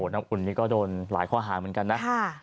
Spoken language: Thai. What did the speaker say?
น้ำอุ่นนี่ก็โดนหลายข้อหาเหมือนกันนะ